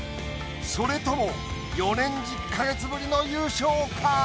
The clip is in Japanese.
それとも４年１０か月ぶりの優勝か？